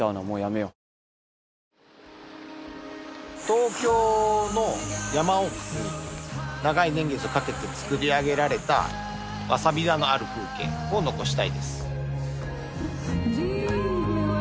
東京の山奥に長い年月をかけて作り上げられたワサビ田のある風景を残したいです。